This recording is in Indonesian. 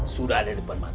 sudah ada di depan mata